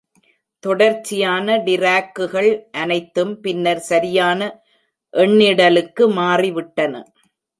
தொடர்ச்சியான டிராக்குகள் அனைத்தும் பின்னர் சரியான எண்ணிடலுக்கு மாறிவிட்டன.